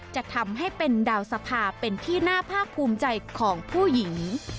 จะทำให้เป็นดาวสภาเป็นที่น่าภาคภูมิใจของผู้หญิง